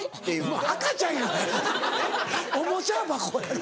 もう赤ちゃんやないかおもちゃ箱やろ。